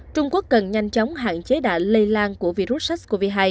trung quốc cần nhanh chóng hạn chế đả lây lan của virus sars cov hai